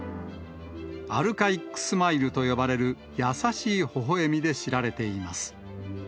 アルカイックスマイルと呼ばれる優しいほほえみで知られています。